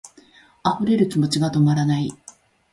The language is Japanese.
溢れる気持ちが止まらない